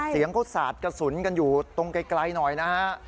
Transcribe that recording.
เสียงเขาสาดกระสุนกันอยู่ตรงไกลหน่อยนะฮะ